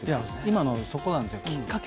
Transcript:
今の、そこなんですよ、きっかけ。